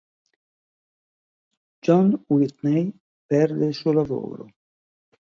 John Whitney perde il suo lavoro.